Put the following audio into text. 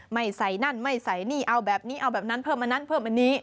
ไม่ใส่นั่นไม่ใส่นี่เอาแบบนี้เอาแบบนั้นเพิ่มอันนั้นเพิ่มอันนี้